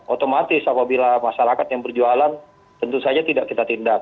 otomatis apabila masyarakat yang berjualan tentu saja tidak kita tindak